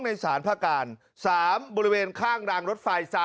สารพระการ๓บริเวณข้างรางรถไฟ๓